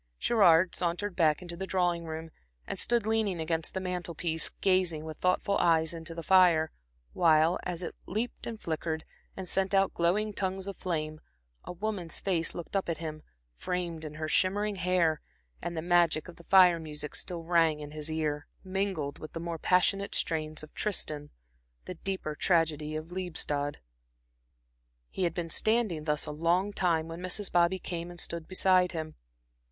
Gerard sauntered back into the drawing room, and stood leaning against the mantel piece, gazing with thoughtful eyes into the fire, while, as it leaped and flickered, and sent out glowing tongues of flame, a woman's face looked up at him framed in her shimmering hair, and the magic of the fire music still rang in his ear, mingled with the more passionate strains of Tristan, the deeper tragedy of Liebestod. He had been standing thus a long time when Mrs. Bobby came and stood beside him.